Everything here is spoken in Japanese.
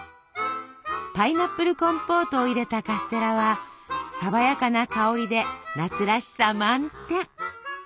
パイナップルコンポートを入れたカステラは爽やかな香りで夏らしさ満点。